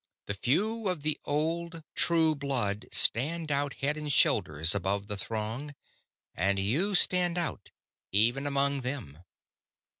The few of the old, true blood stand out head and shoulders above the throng, and you stand out, even among them.